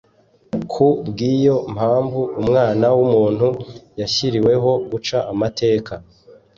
ku bw’iyo mpamvu, Umwana w’umuntu yashyiriweho guca amateka.